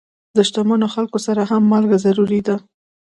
د شتمنو خلکو سره هم مالګه ضرور وه.